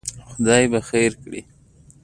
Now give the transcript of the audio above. خدای به خیر کړي.